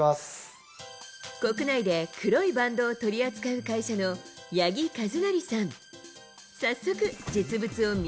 国内で黒いバンドを取り扱う会社の八木一成さん。